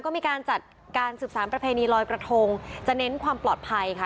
ก็มีการจัดการสืบสารประเพณีลอยกระทงจะเน้นความปลอดภัยค่ะ